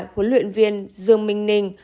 huấn luyện viên dương minh ninh